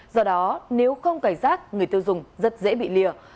do đó nếu không cảnh giác người tiêu dùng rất dễ bị lìa